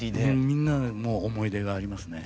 みんなもう思い出がありますね。